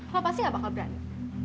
lo pasti gak bakal berani